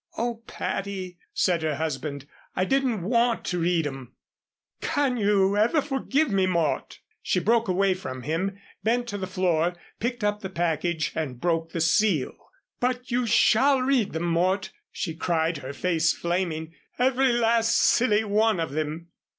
"Oh, Patty," said her husband, "I didn't want to read 'em." "Can you ever forgive me, Mort?" She broke away from him, bent to the floor, picked up the package, and broke the seal. "But you shall read them, Mort," she cried, her face flaming, "every last silly one of them."